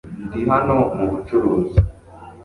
Ndi hano mubucuruzi